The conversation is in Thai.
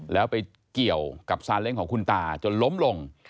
แล้วไปเกี่ยวกับซาเล้งของคุณตาจนล้มลง